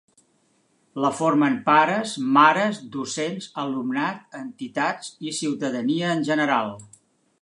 La formen pares, mares, docents, alumnat, entitats i ciutadania en general.